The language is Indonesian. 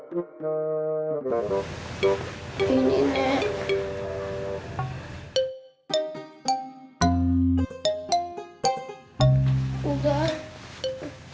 boleh cerita sama nenek